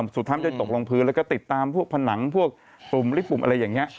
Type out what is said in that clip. สุดท้ายมันจะตกลงพื้นแล้วก็ติดตามพวกผนังพวกปุ่มลิปปุ่มอะไรอย่างนี้